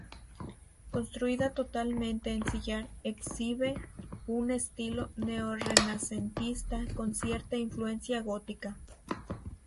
Construida totalmente en sillar, exhibe un estilo neorrenacentista con cierta influencia gótica.